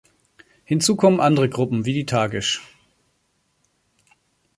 Hinzu kommen andere Gruppen, wie die Tagish.